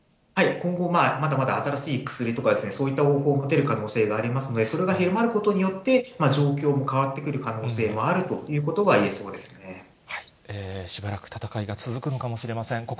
今後、まだまだ新しい薬とか、そういった方向も出る可能性がありますので、それが広まることによって、状況も変わってくる可能性もあるしばらく闘いが続くのかもしれません。